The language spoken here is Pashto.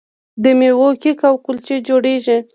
د میوو کیک او کلچې جوړیږي.